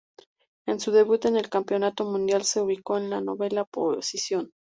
En su debut en el Campeonato Mundial se ubicó en la novena posición.